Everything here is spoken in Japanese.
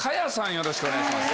よろしくお願いします。